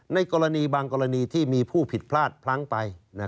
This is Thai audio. ในกรณีบางกรณีที่มีผู้ผิดพลาดพลั้งไป